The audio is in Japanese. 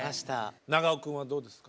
長尾くんはどうですか？